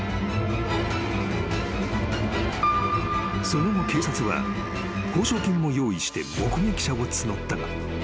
［その後警察は報奨金を用意して目撃者を募ったが］